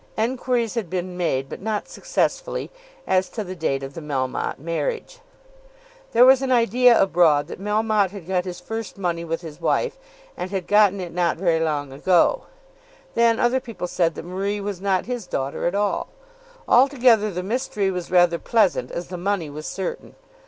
Enquiries had been made, but not successfully, as to the date of the Melmotte marriage. There was an idea abroad that Melmotte had got his first money with his wife, and had gotten it not very long ago. Then other people said that Marie was not his daughter at all. Altogether the mystery was rather pleasant as the money was certain.